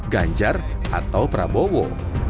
ganjar atau prabowo